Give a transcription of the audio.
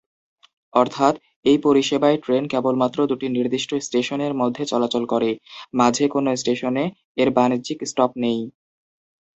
অর্থাৎ, এই পরিষেবায় ট্রেন কেবলমাত্র দুটি নির্দিষ্ট স্টেশনের মধ্যে চলাচল করে; মাঝে কোনো স্টেশনে এর বাণিজ্যিক স্টপ নেই।